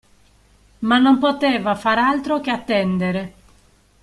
Ma non poteva far altro che attendere.